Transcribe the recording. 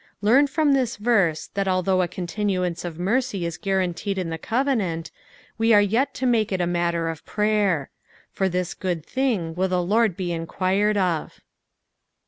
Learn from this verse, that although a continuance of mercy is guaranteed in the covenant, we are yet to make it a matter of prayer. For this good thing will the Lord be enquired of.